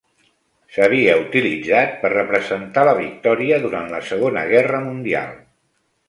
S'havia utilitzat per representar la victòria durant la Segona Guerra Mundial.